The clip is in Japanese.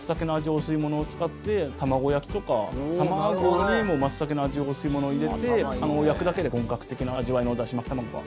お吸いものを使って、卵焼きとか卵に松茸の味お吸いものを入れて焼くだけで本格的な味わいのだし巻き卵が。